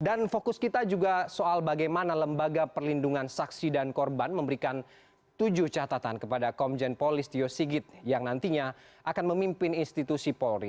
dan fokus kita juga soal bagaimana lembaga perlindungan saksi dan korban memberikan tujuh catatan kepada komjen pol listio sigit yang nantinya akan memimpin institusi polri